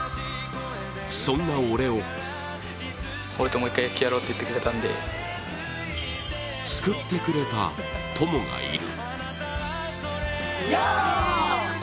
そんな俺を救ってくれた友がいる。